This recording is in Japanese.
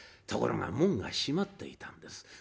ところが門が閉まっていたんです。